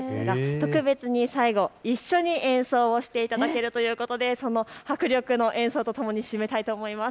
特別に最後、一緒に演奏をしていただけるということでその迫力の演奏とともに締めたいと思います。